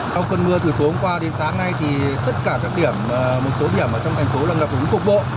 sau cơn mưa từ tối hôm qua đến sáng nay thì tất cả các điểm một số điểm ở trong thành phố là ngập úng cục bộ